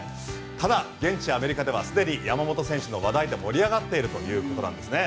ただ現地アメリカではすでに山本選手の話題で盛り上がっているということなんですね。